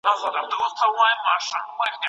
چې ترې عطر ستا د ښکلو شونډو وڅښم